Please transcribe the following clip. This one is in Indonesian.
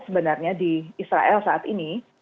sebenarnya di israel saat ini